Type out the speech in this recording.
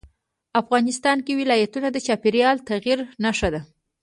افغانستان کې ولایتونه د چاپېریال د تغیر نښه ده.